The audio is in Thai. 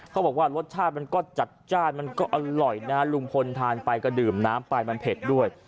เขาบอกว่ารสชาติมันก็จัดจ้านมันก็อร่อยนะลุงพลทานไปก็ดื่มน้ำไปมันเผ็ดด้วย